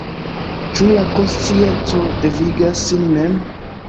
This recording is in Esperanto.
Ĉu la konscienco devigas sin mem?